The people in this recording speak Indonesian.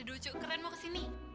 ada dua cuk keren mau kesini